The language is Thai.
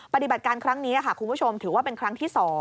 ปฏิบัติการครั้งนี้ค่ะคุณผู้ชมถือว่าเป็นครั้งที่๒